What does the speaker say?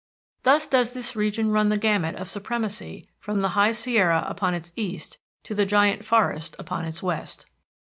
Thus does this region run the gamut of supremacy from the High Sierra upon its east, to the Giant Forest upon its west.